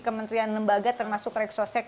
kementerian lembaga termasuk reksosek